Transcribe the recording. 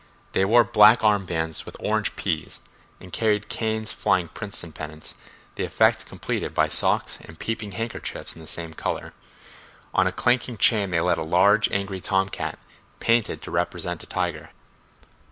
They wore black arm bands with orange "P's," and carried canes flying Princeton pennants, the effect completed by socks and peeping handkerchiefs in the same color motifs. On a clanking chain they led a large, angry tom cat, painted to represent a tiger.